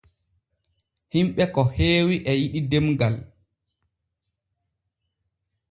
Hinɓe ko heewi e yiɗi demgal.